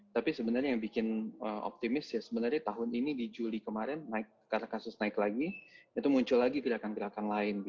tapi sebenarnya yang bikin optimis ya sebenarnya tahun ini di juli kemarin karena kasus naik lagi itu muncul lagi gerakan gerakan lain